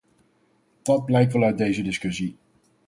Dat blijkt wel uit deze discussie.